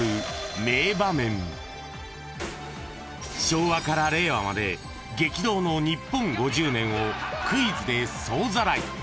［昭和から令和まで激動の日本５０年をクイズで総ざらい］